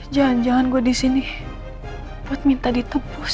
jangan jangan gue di sini buat minta ditepus